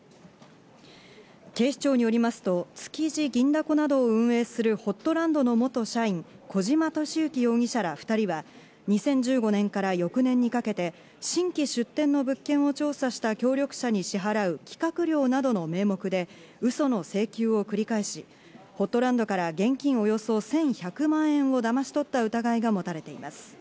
警視庁によりますと、築地銀だこなどを運営するホットランドの元社員、小島敏之容疑者ら２人は２０１５年から翌年にかけ新規出店の物件を調査した協力者に支払う企画料などの名目で、ウソの請求を繰り返し、ホットランドから現金およそ１１００万円をだまし取った疑いが持たれています。